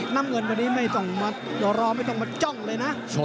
น้ำเงินวันนี้ไม่ต้องมารอไม่ต้องมาจ้องเลยนะ